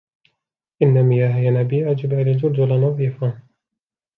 إن مياه ينابيع جبال جرجرة نظيفة.